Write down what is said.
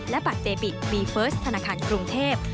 และบัตรเดบิตบีเฟิร์สธนาคารกรุงเทพ